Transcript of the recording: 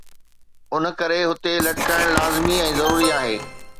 ان ڪري هتي لٽڪائڻ لازمي ۽ ضروري آهي.